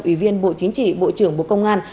ủy viên bộ chính trị bộ trưởng bộ công an